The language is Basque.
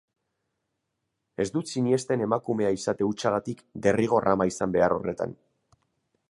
Ez dut sinesten emakumea izate hutsagatik derrigor ama izan behar horretan.